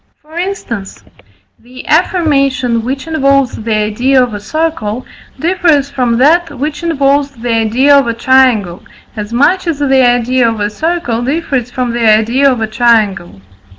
For instance, the affirmation which involves the idea of a circle, differs from that which involves the idea of a triangle, as much as the idea of a circle differs from the idea of a triangle.